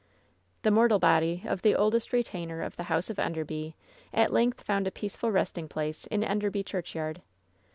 The mortal body of the oldest retainer of the House of Enderby at length found a peaceful resting place in Enderby churchyard.